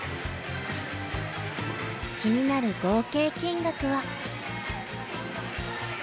気になる合計金額は。